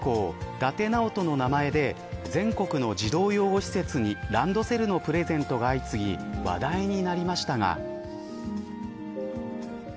伊達直人の名前で全国の児童養護施設にランドセルのプレゼントが相次ぎ話題になりましたが。